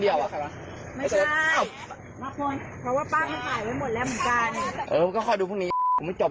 แจ้งกับหมวดแล้วอยู่นี่ก่อน